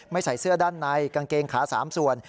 ใส่เสื้อด้านในกางเกงขา๓ส่วน